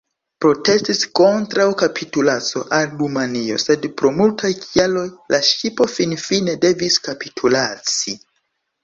Protestis kontraŭ kapitulaco al Rumanio, sed pro multaj kialoj la ŝipo finfine devis kapitulaci.